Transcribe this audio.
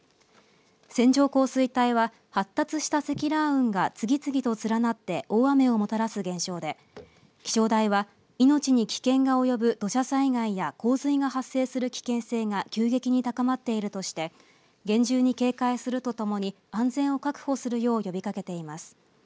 線状降水帯は発達した積乱雲が次々と連なって大雨をもたらす現象で気象台は命に危険が及ぶ土砂災害や洪水が発生する危険性が急激に高まっているとして厳重に警戒するとともに安全を確保するよう呼びかけています。